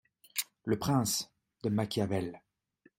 Le Prince, de Machiavel !